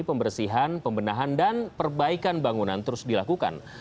pembersihan pembenahan dan perbaikan bangunan terus dilakukan